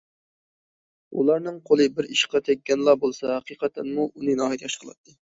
ئۇلارنىڭ قولى بىر ئىشقا تەگكەنلا بولسا ھەقىقەتەنمۇ ئۇنى ناھايىتى ياخشى قىلاتتى.